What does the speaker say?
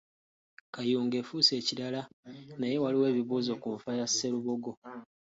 Kayunga efuuse ekirala naye waliwo ebibuuzo ku nfa ya Sserubogo.